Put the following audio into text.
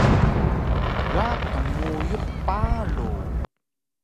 Ga qmuyux paru